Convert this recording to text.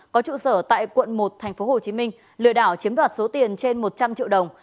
có trụ sở tại quận một thành phố hồ chí minh lừa đảo chiếm đoạt số tiền trên một trăm linh triệu đồng